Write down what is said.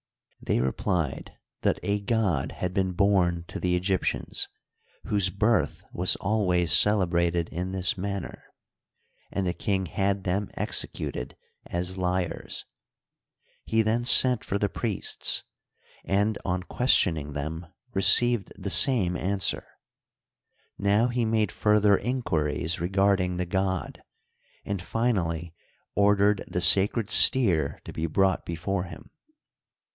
They replied that a god had been born to the Egyptians, whose birth was always cele brated in this manner ; and the king had them executed as liars. He then sent for the priests, and, on questioning them, received the same answer* Now he made further inquiries regarding the god, and finally ordered the sacred steer to be brought before him.